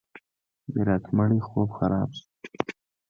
میرات مړی خوب خراب شو.